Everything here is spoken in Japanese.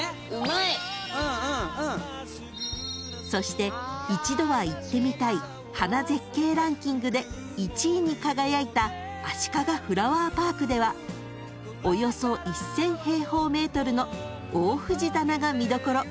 ［そして一度は行ってみたい花絶景ランキングで１位に輝いたあしかがフラワーパークではおよそ１，０００平方ｍの大藤棚が見どころ］